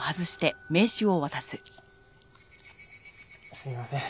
すみません。